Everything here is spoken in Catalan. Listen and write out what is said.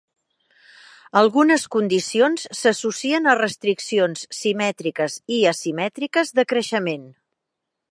Algunes condicions s'associen a restriccions simètriques i asimètriques de creixement.